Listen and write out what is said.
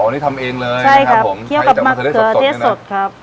อ๋อนี่ทำเองเลยใช่ครับผมใครอยากกับมะเขือเทศสดนี่นะใช่ครับใครอยากกับมะเขือเทศสดครับ